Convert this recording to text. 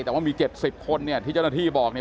แต่ว่ามีเจ็ดสิบคนเนี้ยที่เจ้าหน้าที่บอกเนี้ย